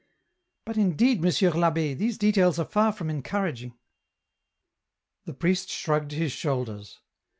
" But indeed, Monsieur I'abb^, these details are far from encouraging." The priest shrugged his shoulders.